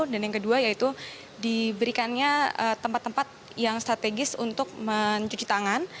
dan yang kedua yaitu diberikannya tempat tempat yang strategis untuk mencuci tangan